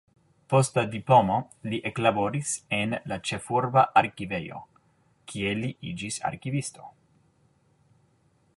Post la diplomo li eklaboris en la ĉefurba arkivejo, kie li iĝis arkivisto.